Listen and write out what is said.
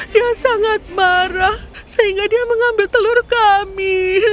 dia sangat marah sehingga dia mengambil telur kami